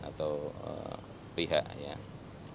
atau pihak pihak yang diperlukan